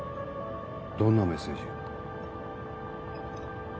どんなメッセージ？